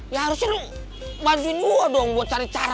ya harusnya lo bantuin gue dong buat cari cara